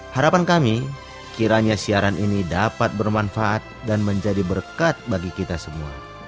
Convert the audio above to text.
harapan kami kiranya siaran ini dapat bermanfaat dan menjadi berkat bagi kita semua